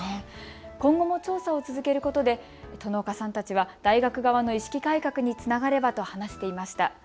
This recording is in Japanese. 今後も調査を続けることで殿岡さんたちは大学側の意識改革につながればと話していました。